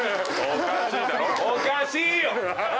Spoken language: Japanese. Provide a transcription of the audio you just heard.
おかしいよ！